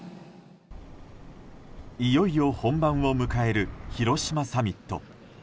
いよいよ本番を迎える広島サミット。